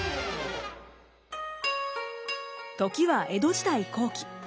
時は江戸時代後期。